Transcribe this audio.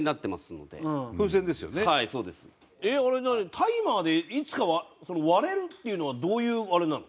タイマーでいつか割れるっていうのはどういうあれなの？